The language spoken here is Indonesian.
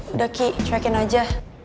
udah ki check in aja